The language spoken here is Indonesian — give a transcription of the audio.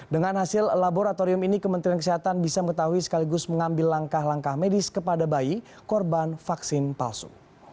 dengan hasil laboratorium ini kementerian kesehatan bisa mengetahui sekaligus mengambil langkah langkah medis kepada bayi korban vaksin palsu